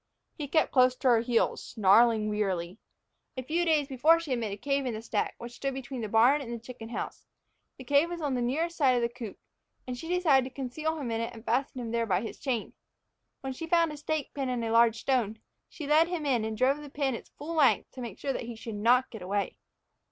He kept close to her heels, snarling wearily. A few days before she had made a cave in the stack, which stood between the barn and the chicken house. The cave was on the side nearest the coop, and she decided to conceal him in it and fasten him there by his chain. When she had found a stake pin and a large stone, she led him in and drove the pin its full length to make sure that he should not get away.